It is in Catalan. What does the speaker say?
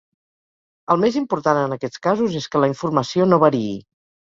El més important en aquests casos és que la informació no variï.